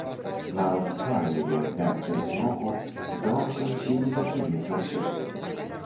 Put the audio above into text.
Нават твар яе, мяккі ад змроку, здаваўся зусім не такім, як заўсёды.